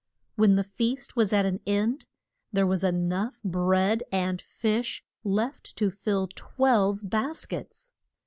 When the feast was at an end there was e nough bread and fish left to fill twelve bas kets.